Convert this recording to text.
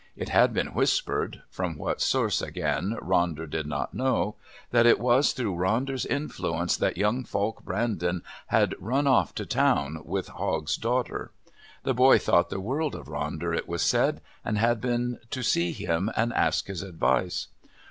It had been whispered from what source again Ronder did not know that it was through Ronder's influence that young Falk Brandon had run off to Town with Hogg's daughter. The boy thought the world of Ronder, it was said, and had been to see him and ask his advice.